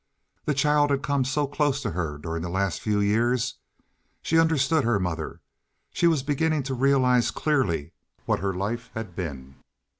The child had come so close to her during the last few years! She understood her mother. She was beginning to realize clearly what her life had been.